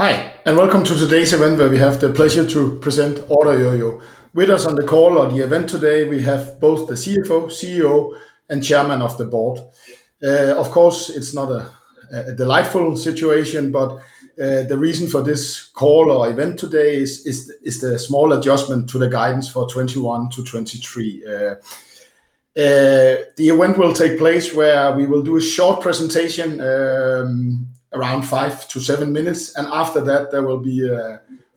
Hi, welcome to today's event where we have the pleasure to present OrderYOYO. With us on the call or the event today, we have both the CFO, CEO, and Chairman of the board. Of course, it's not a delightful situation, but the reason for this call or event today is the small adjustment to the guidance for 2021 to 2023. The event will take place where we will do a short presentation around 5 to 7 minutes, and after that there will be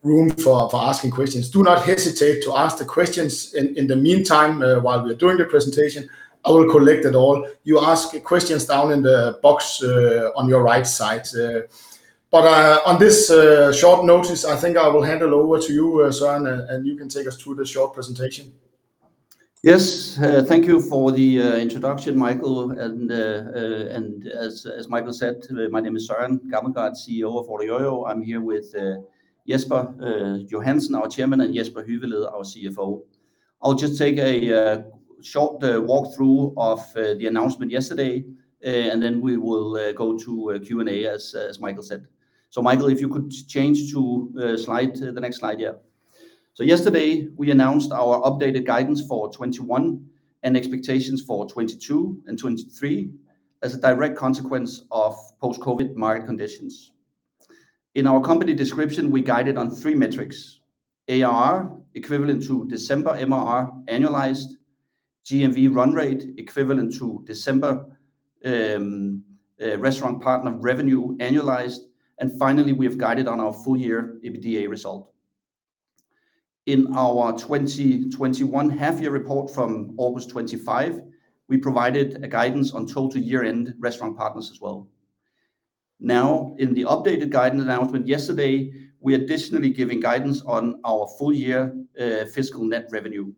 room for asking questions. Do not hesitate to ask the questions in the meantime while we are doing the presentation. I will collect it all. You ask questions down in the box on your right side. On this short notice, I think I will hand it over to you, Søren, and you can take us through the short presentation. Yes. Thank you for the introduction, Michael. As Michael said, my name is Søren Gammelgaard, CEO of OrderYOYO. I'm here with Jesper Johansen, our Chairman, and Jesper Hyveled, our CFO. I'll just take a short walkthrough of the announcement yesterday, and then we will go to a Q&A as Michael said. Michael, if you could change to the next slide. Yeah. Yesterday we announced our updated guidance for 2021 and expectations for 2022 and 2023 as a direct consequence of post-COVID market conditions. In our company description, we guided on 3 metrics, ARR equivalent to December MRR annualized, GMV run rate equivalent to December restaurant partner revenue annualized, and finally, we have guided on our full year EBITDA result. In our 2021 half year report from August 25, we provided a guidance on total year-end restaurant partners as well. Now, in the updated guidance announcement yesterday, we're additionally giving guidance on our full year fiscal net revenue.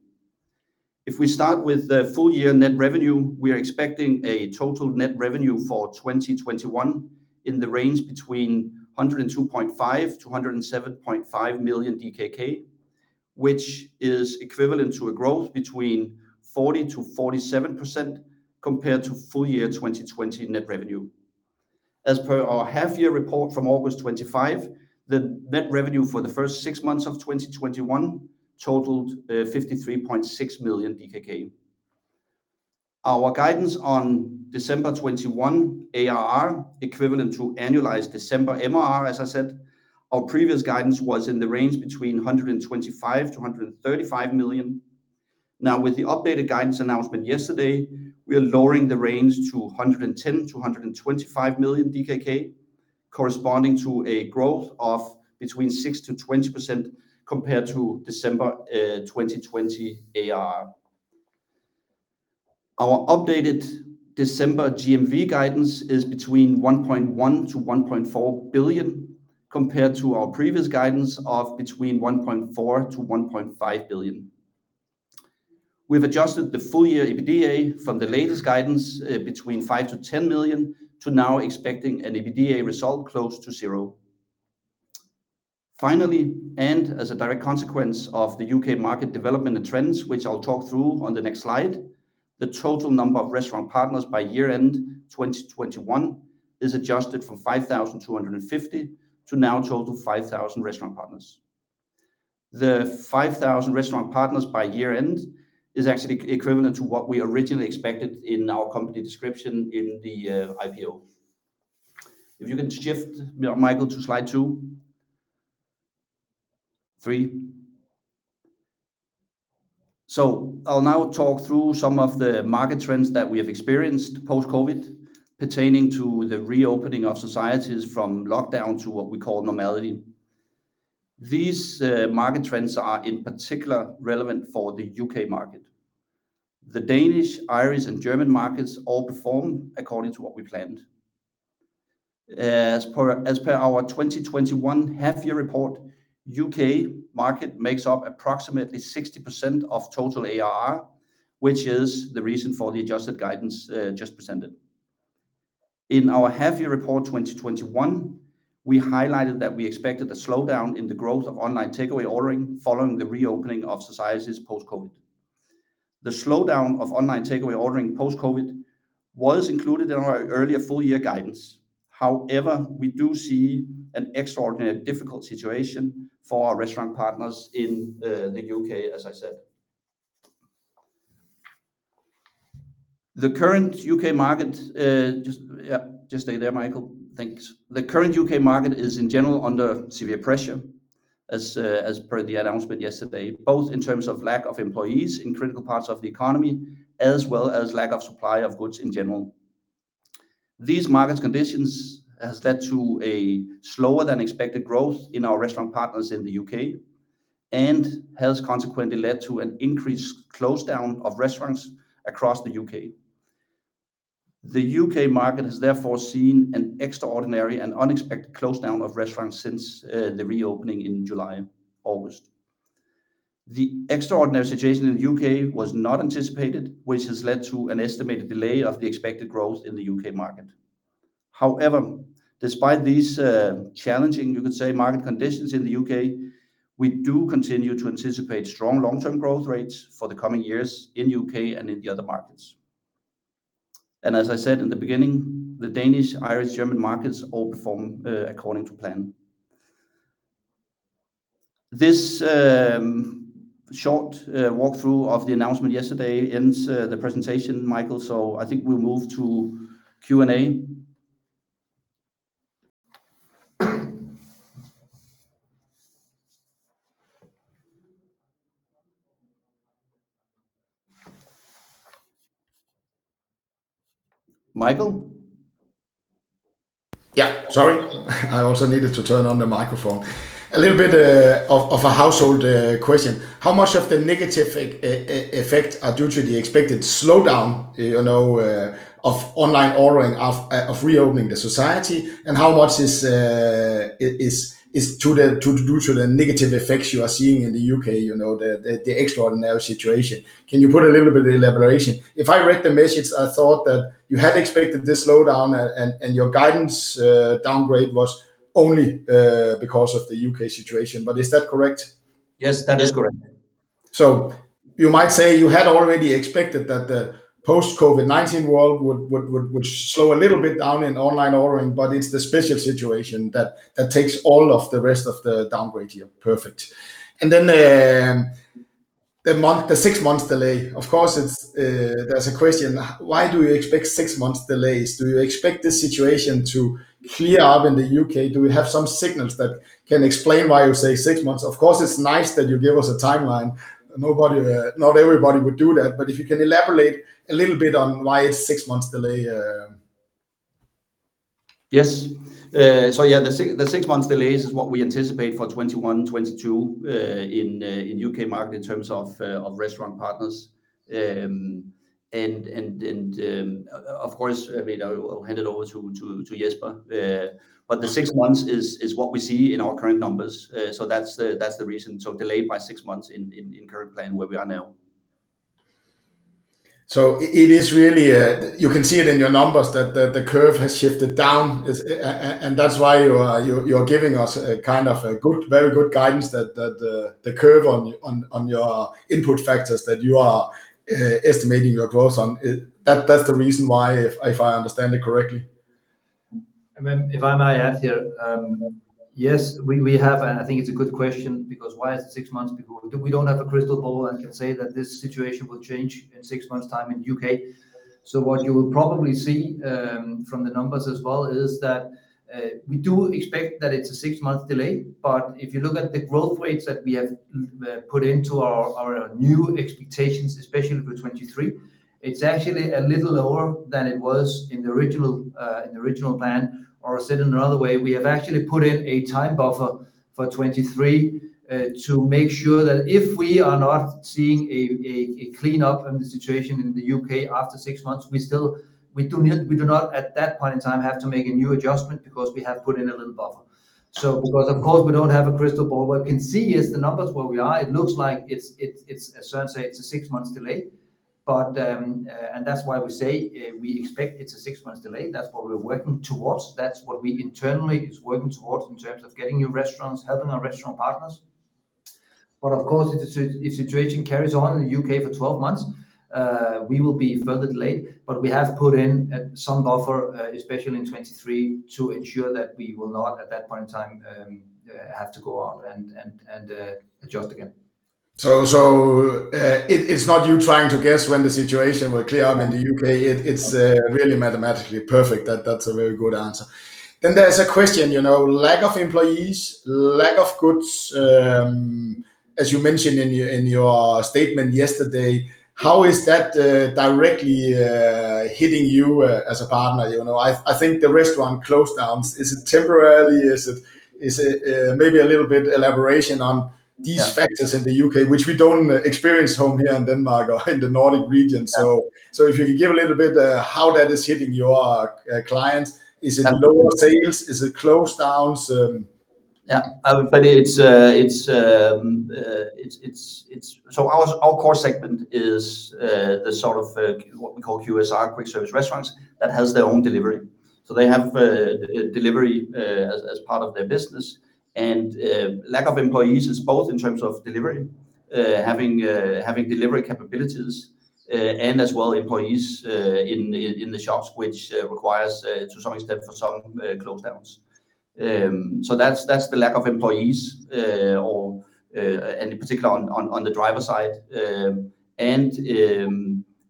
If we start with the full year net revenue, we are expecting a total net revenue for 2021 in the range between 102.5 to 107.5 million DKK, which is equivalent to a growth between 40% to 47% compared to full year 2020 net revenue. As per our half year report from August 25th, the net revenue for the 1st 6 months of 2021 totaled 53.6 million DKK. Our guidance on December 2021 ARR equivalent to annualized December MRR, as I said, our previous guidance was in the range between 125-135 million. Now, with the updated guidance announcement yesterday, we are lowering the range to 110 million-125 million corresponding to a growth of between 6% to 20% compared to December 2020 ARR. Our updated December GMV guidance is between 1.1 billion-1.4 billion compared to our previous guidance of between 1.4 billion-1.5 billion. We've adjusted the full-year EBITDA from the latest guidance, between 5 million-10 million to now expecting an EBITDA result close to zero. Finally, as a direct consequence of the U.K. market development and trends, which I'll talk through on the next slide, the total number of restaurant partners by year-end 2021 is adjusted from 5,250 to now total 5,000 restaurant partners. The 5,000 restaurant partners by year-end is actually equivalent to what we originally expected in our company description in the IPO. If you can shift, Michael, to slide 23. I'll now talk through some of the market trends that we have experienced post-COVID pertaining to the reopening of societies from lockdown to what we call normality. These market trends are in particular relevant for the U.K. market. The Danish, Irish, and German markets all perform according to what we planned. As per our 2021 half-year report, U.K. market makes up approximately 60% of total ARR, which is the reason for the adjusted guidance just presented. In our half-year report 2021, we highlighted that we expected a slowdown in the growth of online takeaway ordering following the reopening of societies post-COVID. The slowdown of online takeaway ordering post-COVID was included in our earlier full-year guidance. However, we do see an extraordinary difficult situation for our restaurant partners in the U.K., as I said. The current U.K. market is in general under severe pressure, as per the announcement yesterday, both in terms of lack of employees in critical parts of the economy, as well as lack of supply of goods in general. These market conditions has led to a slower than expected growth in our restaurant partners in the U.K. and has consequently led to an increased closedown of restaurants across the U.K. The U.K. market has therefore seen an extraordinary and unexpected closedown of restaurants since the reopening in July and August. The extraordinary situation in the U.K. was not anticipated, which has led to an estimated delay of the expected growth in the U.K. market. However, despite these challenging, you could say, market conditions in the U.K., we do continue to anticipate strong long-term growth rates for the coming years in U.K. and in the other markets. As I said in the beginning, the Danish, Irish, German markets all perform according to plan. This short walkthrough of the announcement yesterday ends the presentation, Michael, so I think we'll move to Q&A. Michael? Yeah, sorry. I also needed to turn on the microphone. A little bit of a household question. How much of the negative effect is due to the expected slowdown of online ordering due to reopening the society, and how much is due to the negative effects you are seeing in the U.K., the extraordinary situation? Can you elaborate a little bit? If I read the message, I thought that you had expected this slowdown and your guidance downgrade was only because of the U.K. situation, but is that correct? Yes, that is correct. You might say you had already expected that the post-COVID-19 world would slow a little bit down in online ordering, but it's the special situation that takes all of the rest of the downgrade here. Perfect. Then the 6 months delay, of course, it's there's a question, why do we expect six months delays? Do you expect this situation to clear up in the U.K.? Do we have some signals that can explain why you say 6 months? Of course, it's nice that you give us a timeline. Nobody, not everybody would do that, but if you can elaborate a little bit on why it's six months delay. Yes. So yeah, the 6 months delays is what we anticipate for 2021, 2022, in U.K. market in terms of restaurant partners. Of course, I mean, I'll hand it over to Jesper. But the 6 months is what we see in our current numbers. That's the reason, delayed by 6 months in current plan where we are now. It is really you can see it in your numbers that the curve has shifted down. And that's why you're giving us a kind of a good, very good guidance that the curve on your input factors that you are estimating your growth on. That's the reason why, if I understand it correctly. If I may add here, yes, we have, and I think it's a good question because why is it 6 months? People. We don't have a crystal ball and can say that this situation will change in 6 months' time in U.K. What you will probably see from the numbers as well is that we do expect that it's a 6-month delay. If you look at the growth rates that we have put into our new expectations, especially for 2023, it's actually a little lower than it was in the original plan. Said in another way, we have actually put in a time buffer for 2023, to make sure that if we are not seeing a cleanup in the situation in the U.K. after 6 months, we still we do not at that point in time have to make a new adjustment because we have put in a little buffer. Because of course, we don't have a crystal ball. What we can see is the numbers where we are, it looks like it's as Søren say, it's a 6 months delay. And that's why we say we expect it's a 6 months delay. That's what we're working towards. That's what we internally is working towards in terms of getting new restaurants, helping our restaurant partners. Of course, if the situation carries on in the U.K. for 12 months, we will be further delayed, but we have put in some buffer, especially in 2023, to ensure that we will not at that point in time have to go out and adjust again. It's not you trying to guess when the situation will clear up in the U.K. It's really mathematically perfect. That's a very good answer. There's a question, you know, lack of employees, lack of goods, as you mentioned in your statement yesterday, how is that directly hitting you as a partner? You know, I think the restaurant closed down. Is it temporarily? Is it maybe a little bit elaboration on these factors in the U.K., which we don't experience at home here in Denmark or in the Nordic region. If you can give a little bit how that is hitting your clients. Is it lower sales? Yeah. Is it closed downs? Our core segment is the sort of what we call QSR, quick-service restaurants that has their own delivery. They have delivery as part of their business. Lack of employees is both in terms of delivery, having delivery capabilities, and as well employees in the shops, which requires to some extent for some close downs. That's the lack of employees or and in particular on the driver side.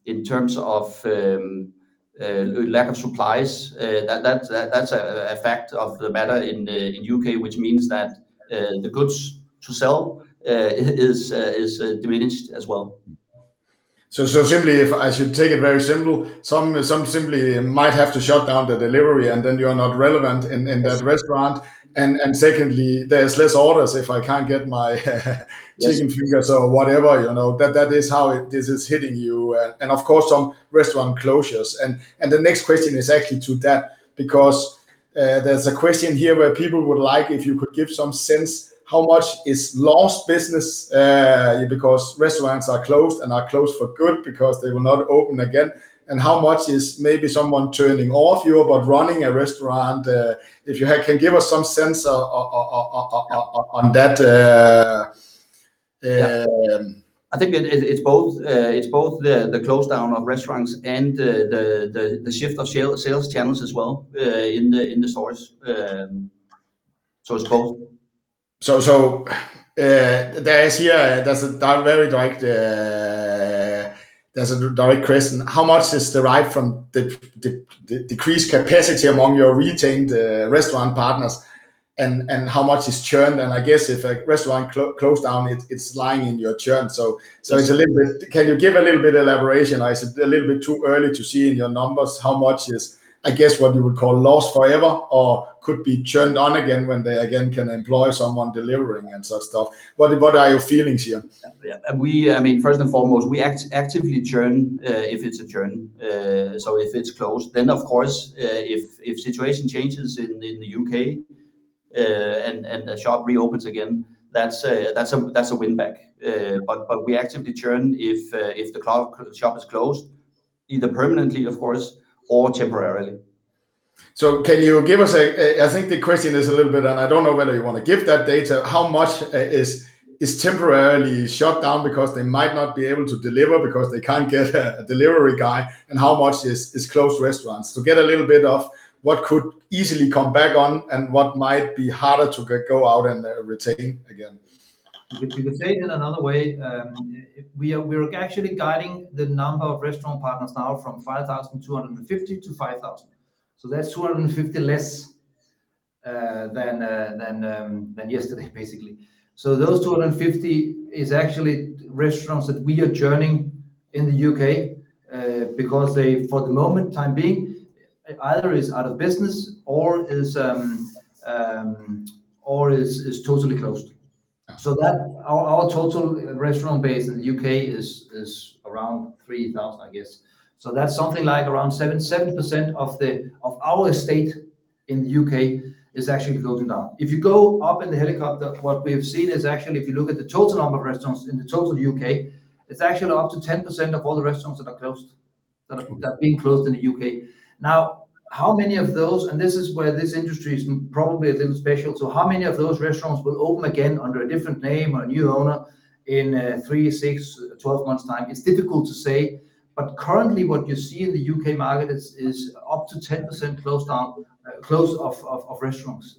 In terms of lack of supplies, that's a effect of the matter in the U.K., which means that the goods to sell is diminished as well. Simply if I should take it very simple, some simply might have to shut down the delivery, and then you are not relevant in that restaurant. Yes. Secondly, there's less orders if I can't get my chicken fingers. Yes or whatever, you know. That is how it's hitting you. Of course some restaurant closures. The next question is actually to that, because there's a question here where people would like if you could give some sense how much is lost business because restaurants are closed and are closed for good because they will not open again, and how much is maybe someone turning off you about running a restaurant. If you can give us some sense on that. Yeah. I think it's both the close down of restaurants and the shift of sales channels as well, in the source. It's both. There is here, there's a very direct question. How much is derived from the decreased capacity among your retained restaurant partners and how much is churn? I guess if a restaurant closes down, it's lying in your churn. It's a little bit. Can you give a little bit elaboration? I said a little bit too early to see in your numbers how much is, I guess, what you would call lost forever or could be churned on again when they again can employ someone delivering and such stuff. What are your feelings here? Yeah. We, I mean, first and foremost, we actively churn if it's a churn. If it's closed, then of course, if situation changes in the U.K., and the shop reopens again, that's a win back. We actively churn if the shop is closed, either permanently of course, or temporarily. Can you give us? I think the question is a little bit, and I don't know whether you want to give that data, how much is temporarily shut down because they might not be able to deliver because they can't get a delivery guy, and how much is closed restaurants? To get a little bit of what could easily come back on and what might be harder to go out and retain again. We can take it another way. We're actually guiding the number of restaurant partners now from 5,250 to 5,000. That's 250 less than yesterday basically. Those 250 is actually restaurants that we are churning in the U.K., because they, for the time being, either is out of business or is totally closed. Absolutely. That our total restaurant base in the U.K. is around 3,000, I guess. That's something like around 77% of our estate in the U.K. is actually closing down. If you go up in the helicopter, what we have seen is actually, if you look at the total number of restaurants in the total U.K., it's actually up to 10% of all the restaurants that are closed. Okay that are being closed in the U.K. Now, how many of those, and this is where this industry is probably a little special. How many of those restaurants will open again under a different name or a new owner in 3, 6, 12 months time? It's difficult to say, but currently what you see in the U.K. market is up to 10% closed down, closures of restaurants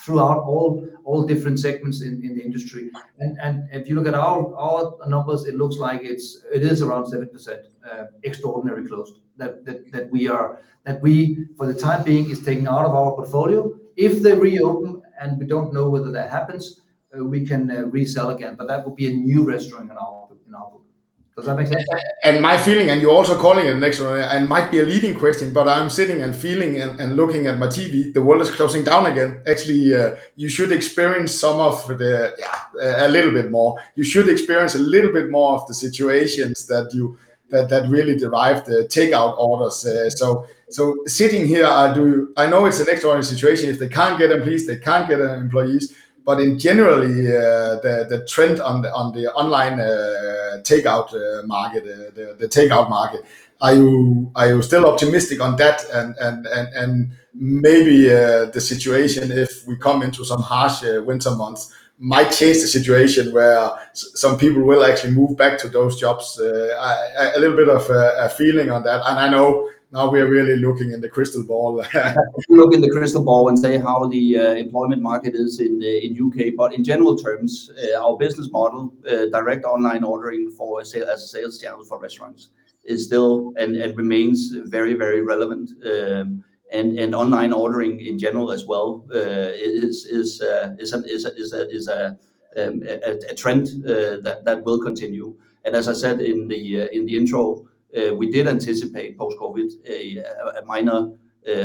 throughout all different segments in the industry. If you look at our numbers, it looks like it is around 7%, extraordinary closures that we for the time being have taken out of our portfolio. If they reopen and we don't know whether that happens, we can resell again, but that will be a new restaurant in our book. Does that make sense? My feeling, and you're also calling it next one, and might be a leading question, but I'm sitting and feeling and looking at my TV, the world is closing down again. Actually, you should experience some of the- Yeah A little bit more. You should experience a little bit more of the situations that you that really drive the takeout orders. Sitting here, I do know it's an extraordinary situation. If they can't get employees, they can't get employees. In general, the trend on the online takeout market, the takeout market, are you still optimistic on that? Maybe the situation if we come into some harsh winter months might change the situation where some people will actually move back to those jobs. A little bit of a feeling on that, and I know now we are really looking in the crystal ball. If you look in the crystal ball and say how the employment market is in the U.K., but in general terms, our business model, direct online ordering for resale, as a sales channel for restaurants is still and remains very, very relevant. Online ordering in general as well is a trend that will continue. As I said in the intro, we did anticipate post-COVID a minor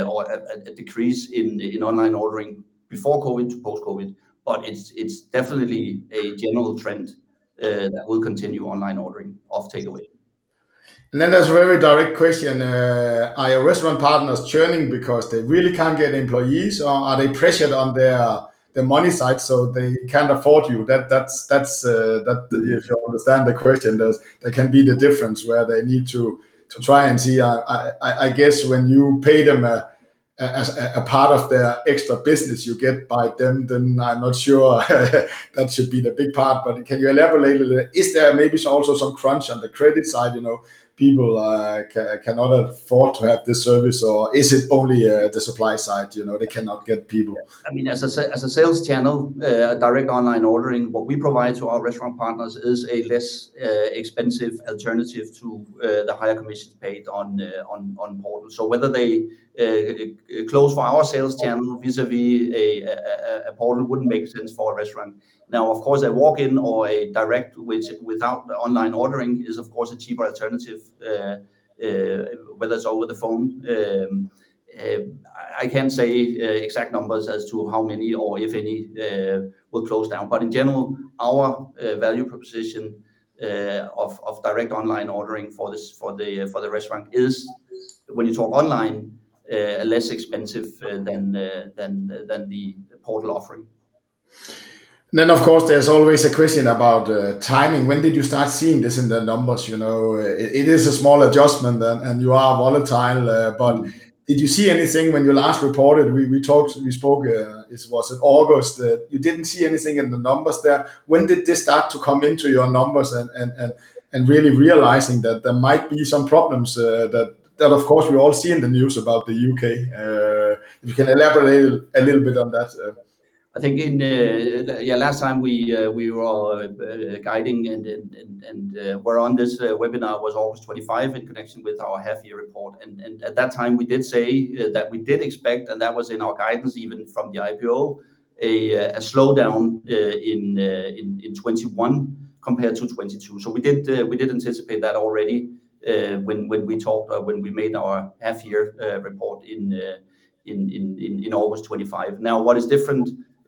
or a decrease in online ordering before COVID to post-COVID, but it's definitely a general trend that will continue, online ordering of takeaway. There's a very direct question. Are your restaurant partners churning because they really can't get employees or are they pressured on the money side, so they can't afford you? That's if you understand the question, there can be the difference where they need to try and see. I guess when you pay them as a part of their extra business you get by them, then I'm not sure that should be the big part. But can you elaborate a little? Is there maybe also some crunch on the credit side? You know, people cannot afford to have this service, or is it only the supply side, you know, they cannot get people? I mean, as a sales channel, direct online ordering, what we provide to our restaurant partners is a less expensive alternative to the higher commissions paid on portal. Whether they close for our sales channel vis-a-vis a portal wouldn't make sense for a restaurant. Now, of course, a walk-in or a direct, which without online ordering is of course a cheaper alternative, whether it's over the phone. I can't say exact numbers as to how many or if any will close down. In general, our value proposition of direct online ordering for the restaurant is when you talk online, less expensive than the portal offering. Of course there's always a question about timing. When did you start seeing this in the numbers? You know, it is a small adjustment and you are volatile, but did you see anything when you last reported? We talked, we spoke, was it August that you didn't see anything in the numbers there? When did this start to come into your numbers and really realizing that there might be some problems, that of course we all see in the news about the U.K.? If you can elaborate a little bit on that. I think last time we were all guiding and were on this webinar was August 25 in connection with our half year report. At that time we did say that we did expect, and that was in our guidance even from the IPO, a slowdown in 2021 compared to 2022. We did anticipate that already when we made our half year report in August 25. Now what is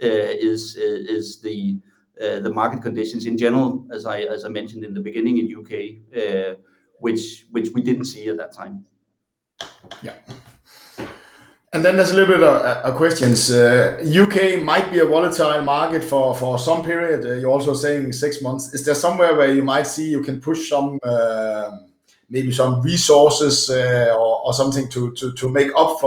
different is the market conditions in general as I mentioned in the beginning in the U.K., which we didn't see at that time. Yeah. There's a little bit of a question. U.K. might be a volatile market for some period, you're also saying 6 months. Is there somewhere where you might see you can push some maybe some resources, or something to make up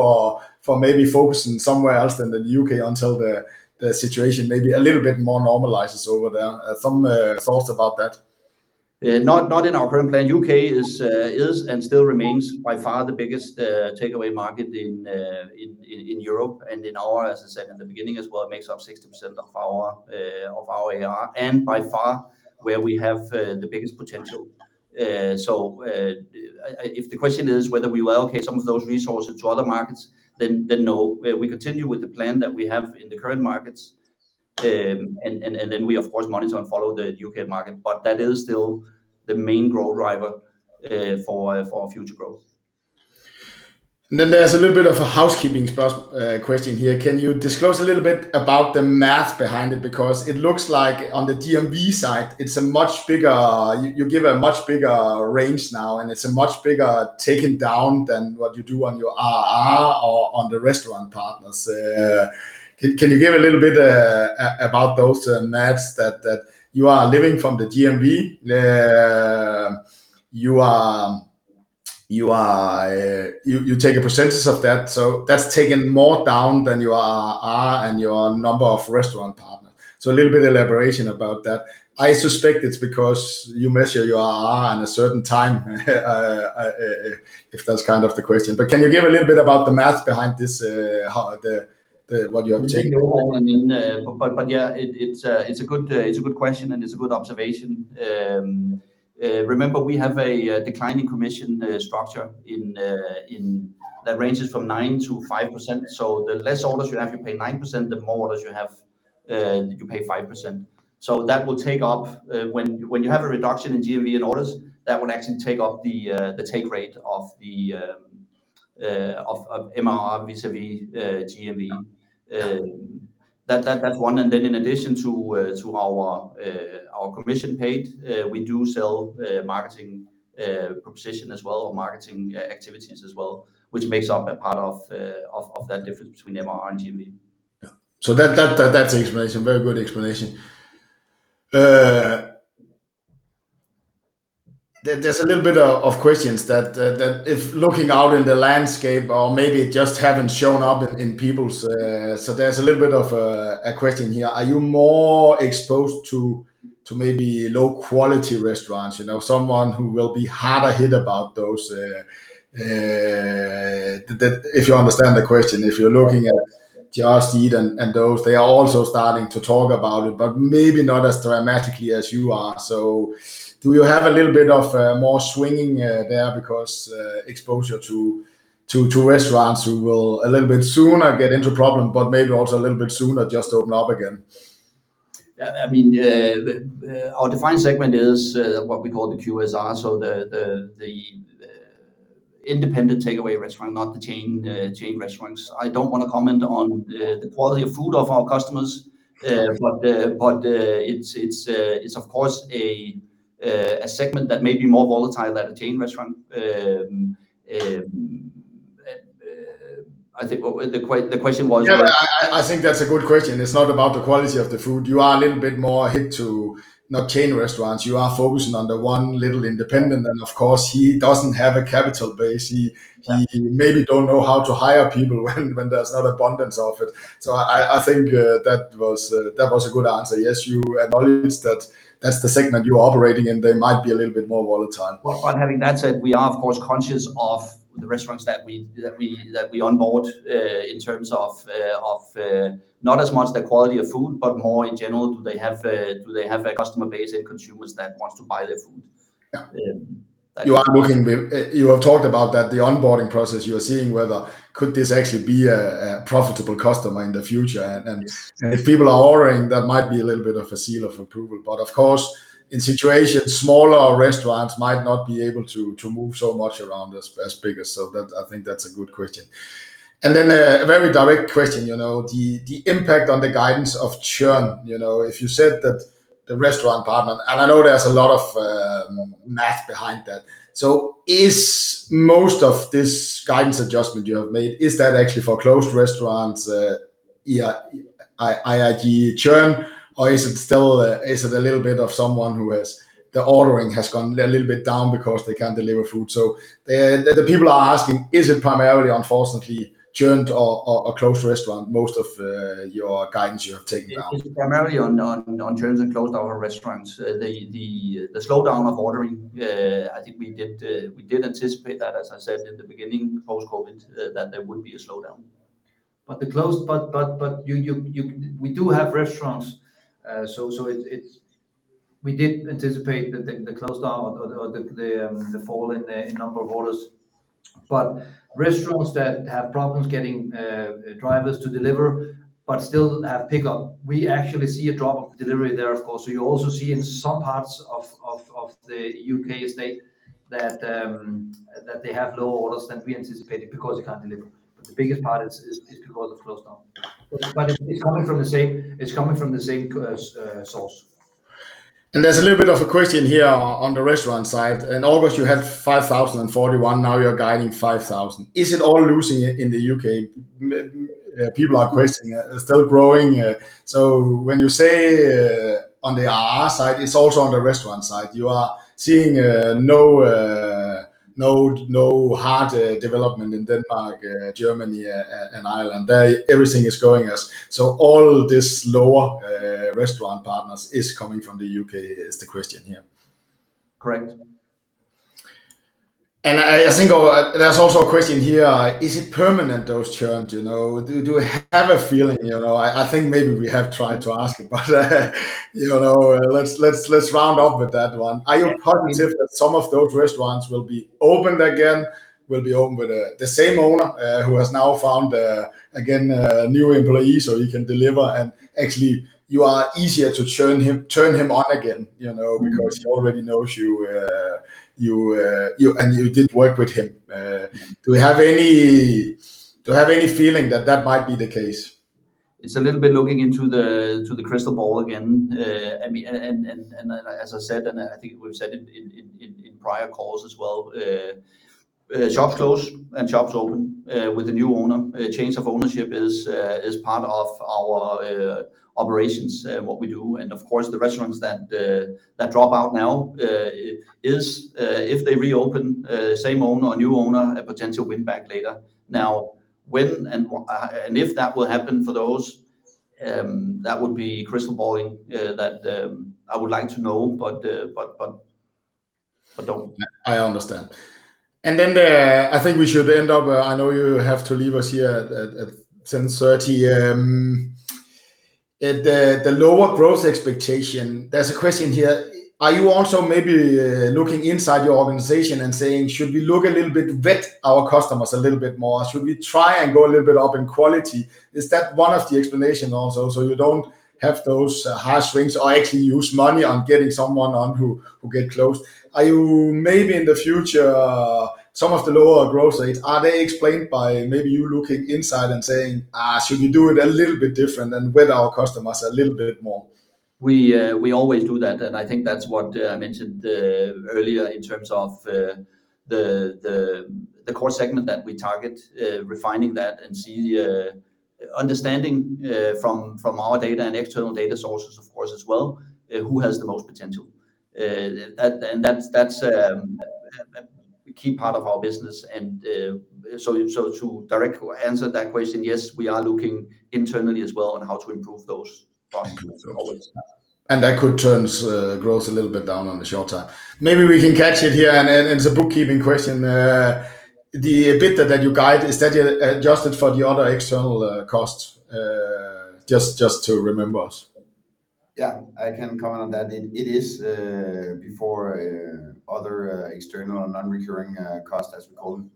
for maybe focusing somewhere else than the U.K. until the situation maybe a little bit more normalizes over there? Some thoughts about that. Not in our current plan. U.K. is and still remains by far the biggest takeaway market in Europe and in our, as I said in the beginning as well, it makes up 60% of our ARR, and by far where we have the biggest potential. If the question is whether we will locate some of those resources to other markets, then no. We continue with the plan that we have in the current markets. We of course monitor and follow the U.K. market. That is still the main growth driver for future growth. There's a little bit of a housekeeping question here. Can you disclose a little bit about the math behind it? Because it looks like on the GMV side it's a much bigger. You give a much bigger range now, and it's a much bigger taken down than what you do on your ARR or on the restaurant partners. Can you give a little bit about those math that you are deriving from the GMV. You take a percentage of that, so that's taken more down than your ARR and your number of restaurant partners. A little bit elaboration about that. I suspect it's because you measure your ARR on a certain time, if that's kind of the question. Can you give a little bit about the math behind this, how the what you have taken overall? No, I mean, but yeah, it's a good question and it's a good observation. Remember we have a declining commission structure in that ranges from 9% to 5%. The less orders you have, you pay 9%. The more orders you have, you pay 5%. That will take up when you have a reduction in GMV and orders, that would actually take up the take rate of the MRR vis-a-vis GMV. That's one. In addition to our commission paid, we do sell marketing proposition as well, or marketing activities as well, which makes up a part of that difference between MRR and GMV. Yeah. That's the explanation. Very good explanation. There's a little bit of questions that if looking out in the landscape or maybe it just haven't shown up in people's. There's a little bit of a question here. Are you more exposed to maybe low quality restaurants? You know, someone who will be harder hit about those. If you understand the question. If you're looking at Just Eat and those, they are also starting to talk about it, but maybe not as dramatically as you are. Do you have a little bit of more swinging there because exposure to restaurants who will a little bit sooner get into problem but maybe also a little bit sooner just open up again? Yeah, I mean, our defined segment is what we call the QSR, so the independent takeaway restaurant, not the chain restaurants. I don't want to comment on the quality of food of our customers. It's of course a segment that may be more volatile than a chain restaurant. I think what was the question was- Yeah. I think that's a good question. It's not about the quality of the food. You are a little bit more hit by non-chain restaurants. You are focusing on the one little independent, and of course he doesn't have a capital base. He maybe don't know how to hire people when there's not abundance of it. I think that was a good answer. Yes, you acknowledge that that's the segment you are operating in. They might be a little bit more volatile. Well, having said that, we are of course conscious of the restaurants that we onboard in terms of not as much the quality of food, but more in general do they have a customer base and consumers that wants to buy their food? Yeah. Um, that- You have talked about that, the onboarding process. You are seeing whether could this actually be a profitable customer in the future. Yes if people are ordering, that might be a little bit of a seal of approval. Of course, in situations, smaller restaurants might not be able to move so much around as bigger. I think that's a good question. A very direct question, you know, the impact on the guidance of churn, you know. If you said that the restaurant partner, and I know there's a lot of math behind that. Is most of this guidance adjustment you have made actually for closed restaurants, net churn, or is it still a little bit of someone whose ordering has gone a little bit down because they can't deliver food? The people are asking, is it primarily, unfortunately, churned or closed restaurant, most of your guidance you have taken down? It's primarily on churns and closed down restaurants. The slowdown of ordering, I think we did anticipate that, as I said in the beginning of post-COVID, that there would be a slowdown. We do have restaurants. We did anticipate the closed down or the fall in the number of orders. Restaurants that have problems getting drivers to deliver but still have pickup, we actually see a drop of delivery there, of course. You also see in some parts of the U.K. estate that they have lower orders than we anticipated because they can't deliver. The biggest part is because of closed down. It's coming from the same source. There's a little bit of a question here on the restaurant side. In August you had 5,041, now you're guiding 5,000. Is it all losing it in the U.K.? People are questioning. Still growing? When you say on the ARR side, it's also on the restaurant side. You are seeing no hard development in Denmark, Germany, and Ireland. There everything is going as. All this lower restaurant partners is coming from the U.K. is the question here. Correct. I think there's also a question here, is it permanent, those churn, you know? Do you have a feeling, you know? I think maybe we have tried to ask it, but you know, let's round up with that one. Are you positive that some of those restaurants will be opened again with the same owner who has now found again new employees so he can deliver and actually you are easier to turn him on again, you know, because he already knows you and you did work with him. Do we have any feeling that that might be the case? It's a little bit looking into the crystal ball again. I mean, as I said, and I think we've said it in prior calls as well, shops close and shops open with a new owner. A change of ownership is part of our operations and what we do. Of course, the restaurants that drop out now is if they reopen, same owner or new owner, a potential win back later. Now, when and if that will happen for those, that would be crystal balling, that I would like to know but don't. I understand. I think we should end up. I know you have to leave us here at 10:30 A.M. The lower growth expectation, there's a question here: Are you also maybe looking inside your organization and saying, "Should we look a little bit vet our customers a little bit more? Should we try and go a little bit up in quality?" Is that one of the explanation also, so you don't have those harsh swings or actually use money on getting someone on who get closed? Are you maybe in the future, some of the lower growth rates, are they explained by maybe you looking inside and saying, "should we do it a little bit different and vet our customers a little bit more? We always do that, and I think that's what I mentioned earlier in terms of the core segment that we target, refining that and understanding from our data and external data sources of course as well, who has the most potential. That and that's a key part of our business. To directly answer that question, yes, we are looking internally as well on how to improve those parts as always. That could turn growth a little bit down on the short term. Maybe we can catch it here, and it's a bookkeeping question. The EBITDA that you guide, is that adjusted for the other external costs? Just to remind us. Yeah. I can comment on that. It is before other external or non-recurring costs, as we call them.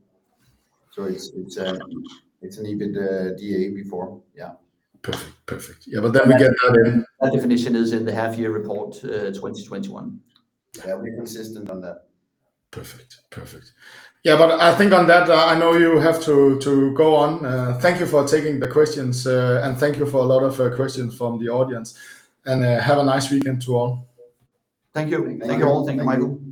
It's an EBITDA before. Yeah. Perfect. Yeah, we get that in- That definition is in the half-year report, 2021. Yeah, we're consistent on that. Perfect. Yeah, but I think on that, I know you have to go on. Thank you for taking the questions, and thank you for a lot of questions from the audience. Have a nice weekend to all. Thank you. Thank you all. Thank you, Michael.